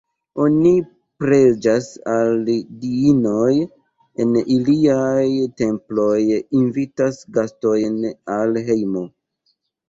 Oni preĝas al diinoj en iliaj temploj, invitas gastojn al hejmo.